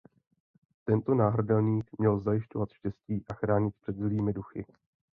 Tento náhrdelník měl zajišťovat štěstí a chránit před zlými duchy.